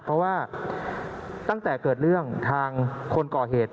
เพราะว่าตั้งแต่เกิดเรื่องทางคนก่อเหตุ